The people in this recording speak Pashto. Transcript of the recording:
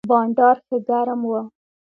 بانډار ښه ګرم و.